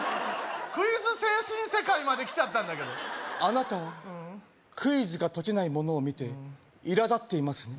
クイズ精神世界まで来ちゃったんだけどあなたはクイズが解けない者を見ていらだっていますね？